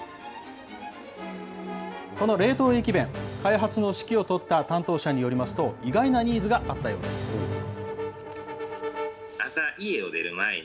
この冷凍駅弁、開発の指揮を執った担当者によりますと、意外なニーズがあったようです。